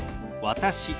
「私」。